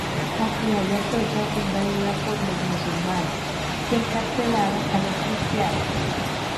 La ciudad de Atocha fue invadida por los musulmanes, que encarcelaron a los cristianos.